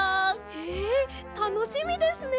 へえたのしみですね！